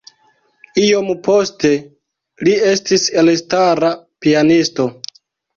Iom poste li estis elstara pianisto.